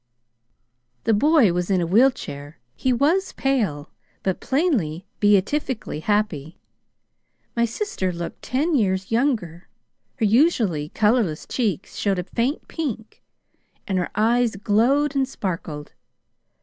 "The boy was in a wheel chair. He was pale, but plainly beatifically happy. My sister looked ten years younger. Her usually colorless cheeks showed a faint pink, and her eyes glowed and sparkled.